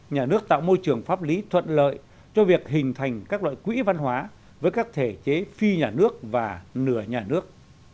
nhà nước tạo môi trường pháp lý thuận lợi cho việc hình thành các loại quỹ văn hóa với các thể chế phi nhà nước và nửa nhà nước